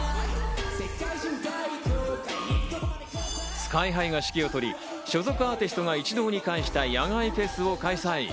ＳＫＹ−ＨＩが指揮を執り、所属アーティストが一堂に会した野外フェスを開催。